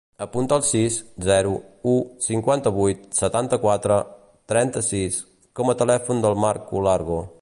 Apunta el sis, zero, u, cinquanta-vuit, setanta-quatre, trenta-sis com a telèfon del Marco Largo.